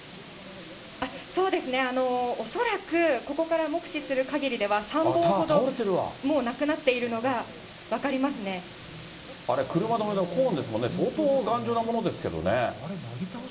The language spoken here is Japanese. そうですね、恐らくここから目視するかぎりでは、３本ほど。なくなっているのが分かりまあれ、車止めのコーンですよね、相当頑丈なものですけれどもね。